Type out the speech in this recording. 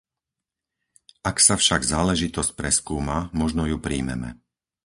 Ak sa však záležitosť preskúma, možno ju prijmeme.